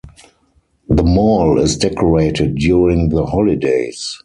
The mall is decorated during the holidays.